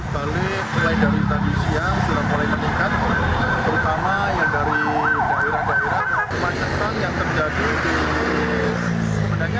tradisional sudah mulai meningkat terutama yang dari daerah daerah